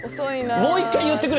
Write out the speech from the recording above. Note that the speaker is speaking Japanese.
もう一回言ってくれ！